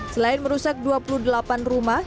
selain merusak dua puluh delapan rumah